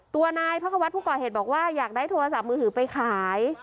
ตัวนายพระควัตรผู้ก่อเหตุบอกว่าอยากได้โทรศัพท์มือถือไปขาย